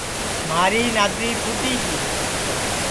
مھاری نادی پھُوٹی گی